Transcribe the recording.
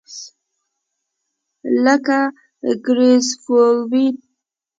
لکه ګریزوفولوین.